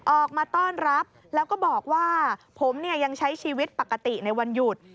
ออกมาต้อนรับแล้วก็บอกว่าผมเนี่ยยังใช้ชีวิตปกติในวันหยุด